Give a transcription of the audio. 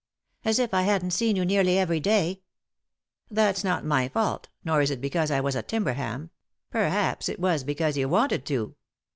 "As if I hadn't seen you nearly every day I" "That's not my fault, nor is it because I was at Timberham — perhaps it was because you wanted to."